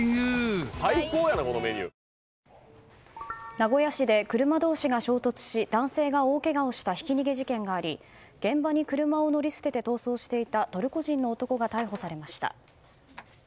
名古屋市で車同士が衝突し男性が大けがをしたひき逃げ事件があり現場に車を乗り捨てて逃走していたトルコ人の男が逮捕されました。